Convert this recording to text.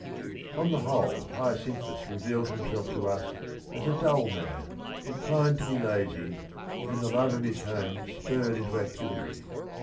On the whole Hyacinthu s reveals himself to us as a dull man inclined to be lazy, whom the love of his home spurred i nto activity.